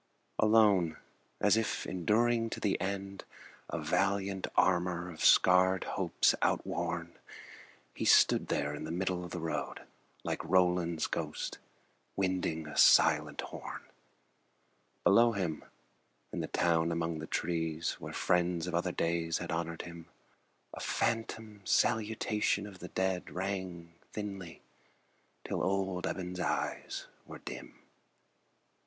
Alone, as if enduring to the end A valiant armor of scarred hopes outworn. He stood there in the middle of the road Like Roland's ghost winding a silent horn. Below him, in the town among the trees, Where friends of other days had honored him, A phantom salutation of the dead Rang thinly till old Eben's eyes were dim.